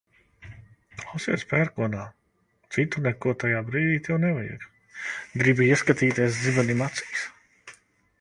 Klausies pērkonā un citu neko tajā brīdī tev nevajag. Gribi ieskatīties zibenim acīs?